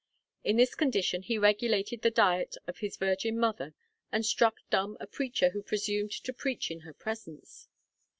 In this condition he regulated the diet of his virgin mother, and struck dumb a preacher who presumed to preach in her presence.